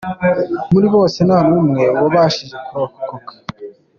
Muri bose ntanumwe wabashije kurokoka.